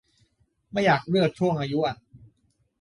ไม่อยากเลือกช่วงอายุอะ